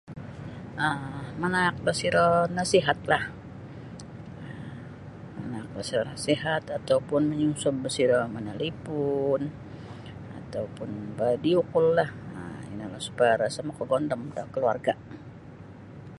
um Manaak disiro nasihatlah um manaak disiro nasihat atau pun manyunsub di siro manalipun ataupun video call lah um ino nio supaya iro isa makagondom da kaluarga.